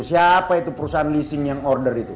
siapa itu perusahaan leasing yang order itu